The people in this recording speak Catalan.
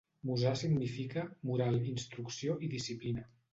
Musar significa: moral, instrucció, i disciplina.